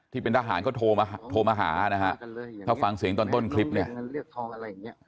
ที่เป็นทหารก็โทรมาหานะฮะเขาก็ฟังเสียงตอนต้นคลิปเนี่ย